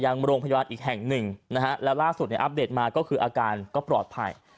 ยังโรงพยาบาลอีกแห่งหนึ่งนะฮะแล้วล่าสุดเนี่ยอัปเดตมาก็คืออาการก็ปลอดภัย